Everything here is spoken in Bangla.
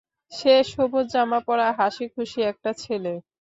সে সবুজ জামা পরা হাসিখুশি একটা ছেলে।